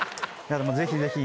ぜひぜひ。